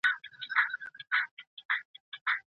خلګ بايد د جبري نکاح له خطرونو خبر سي.